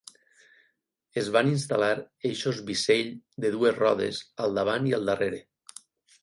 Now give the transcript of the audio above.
Es van instal·lar eixos Bissell de dues rodes al davant i al darrere.